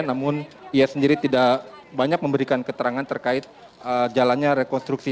namun ia sendiri tidak banyak memberikan keterangan terkait jalannya rekonstruksi